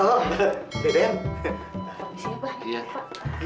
pak bisnis abah nih pak